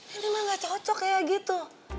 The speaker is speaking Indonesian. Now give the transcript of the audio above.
ini mah gak cocok kayak gitu